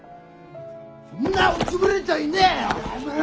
んな落ちぶれちゃいねえよ！